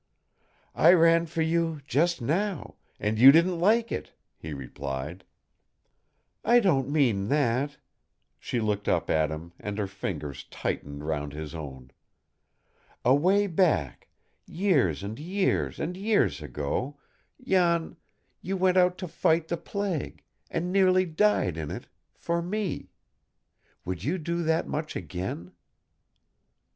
"I ran for you, just now and you didn't like it," he replied. "I don't mean that." She looked up at him, and her fingers tightened round his own. "Away back years and years and years ago, Jan you went out to fight the plague, and nearly died in it, for me. Would you do that much again?"